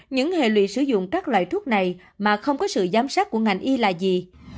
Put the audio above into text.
những hệ lụy sử dụng các loại thuốc này mà không có sự giám sát của ngành y là gì